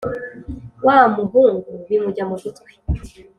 wa muhungu bimujya mu gutwi